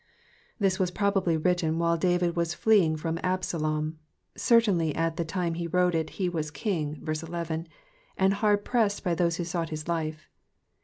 — This voas probably torUten while David xdos fleeing frotn Absalom ; ceriairdy at the time he torote it he was king {verse 11), and hard pressed by those who sought his life.